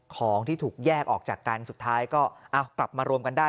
ของที่ถูกแยกออกจากกันสุดท้ายก็เอากลับมารวมกันได้